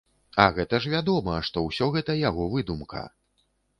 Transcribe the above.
А гэта ж вядома, што ўсё гэта яго выдумка.